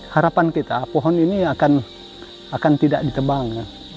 harapan kita pohon ini akan tidak ditebang